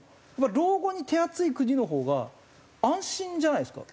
老後に手厚い国のほうが安心じゃないですか？